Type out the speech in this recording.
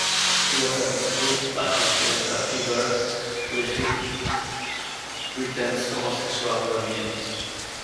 He was a discreet but influential figure within Britain's homosexual community.